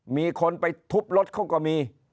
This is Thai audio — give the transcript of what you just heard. มีคนไปทุบรถเขาก็มี